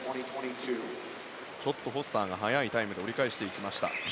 ちょっとフォスターが速いタイムで折り返していきました。